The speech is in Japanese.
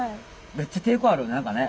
めっちゃ抵抗あるよね何かね。